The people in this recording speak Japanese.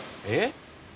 えっ？